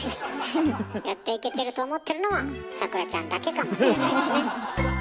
やっていけてると思ってるのはサクラちゃんだけかもしれないしね。